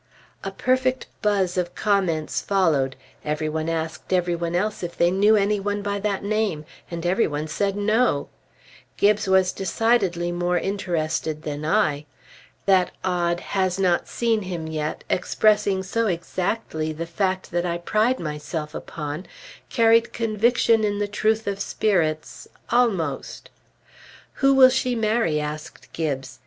" A perfect buzz of comments followed; every one asked every one else if they knew any one by that name, and every one said no. Gibbes was decidedly more interested than I. That odd "Has not seen him yet," expressing so exactly the fact that I pride myself upon, carried conviction in the truth of Spirits, almost. "Who will she marry?" asked Gibbes.